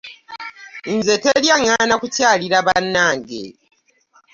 Nze teri aŋŋaana kukyalira bannange.